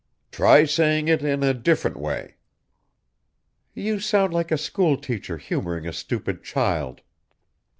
"Try saying it in a different way." "You sound like a school teacher humoring a stupid child."